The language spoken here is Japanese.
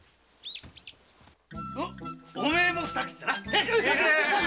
おめえも二口だな？